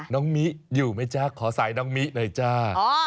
น้องมิอยู่ไหมจ๊ะขอสายน้องมิหน่อยจ้า